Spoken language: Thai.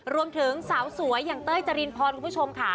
รวมถึงสาวสวยอย่างเต้ยจรินพรคุณผู้ชมค่ะ